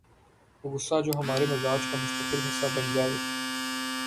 وہ غصہ جو ہمارے مزاج کا مستقل حصہ بن جائے